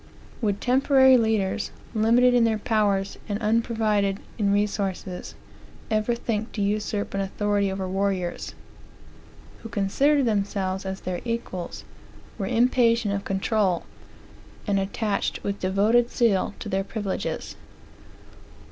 Would temporary laders, limited in their powers, and unprovided in resources, ever think to usurp an authority over warriors, who considered themselves as their equals, were impatient of control, and attached with devoted zeal to their privileges?